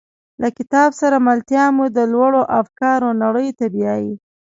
له کتاب سره ملتیا مو د لوړو افکارو نړۍ ته بیایي.